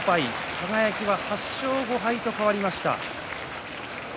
輝は８勝５敗と変わりました。